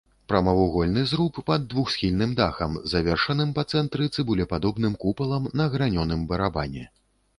Прамавугольны зруб пад двухсхільным дахам, завершаным па цэнтры цыбулепадобным купалам на гранёным барабане.